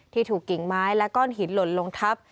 ถูกกิ่งไม้และก้อนหินหล่นลงทับ